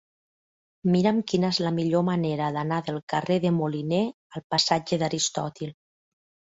Mira'm quina és la millor manera d'anar del carrer de Moliné al passatge d'Aristòtil.